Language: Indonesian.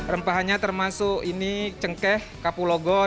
rempahnya termasuk ini cengkeh kapulogang